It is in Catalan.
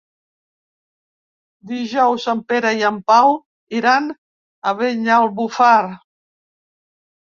Dijous en Pere i en Pau iran a Banyalbufar.